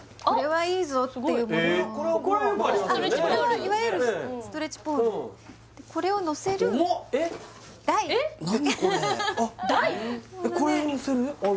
これはいわゆる重っ！